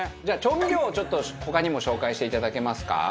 じゃあ、調味料を、ちょっと他にも紹介していただけますか？